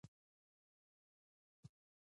د ذهني فشار کمول د بدن لپاره مهم دي.